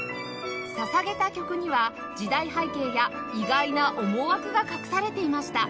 捧げた曲には時代背景や意外な思惑が隠されていました